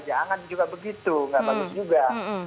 jangan juga begitu nggak bagus juga